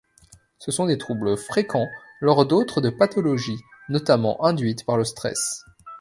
Ce sont des troubles fréquent lors d’autres de pathologies, notamment induites par le stress.